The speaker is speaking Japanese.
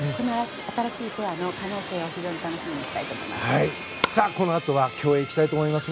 新しいペアの可能性を楽しみにしたいと思います。